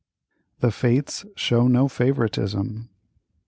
The Fates show no favoritism.